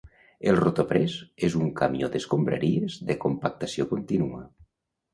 El Rotopress és un camió d'escombraries de compactació contínua.